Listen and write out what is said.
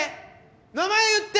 名前言って！